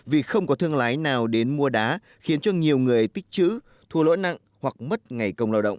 vì không có thương lái nào đến mua đá khiến cho nhiều người tích chữ thua lỗ nặng hoặc mất ngày công lao động